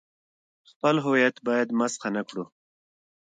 خپل هویت باید مسخ نه کړو.